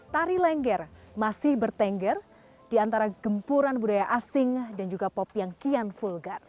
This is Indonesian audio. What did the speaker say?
tari lengger masih bertengger di antara gempuran budaya asing dan juga pop yang kian vulgar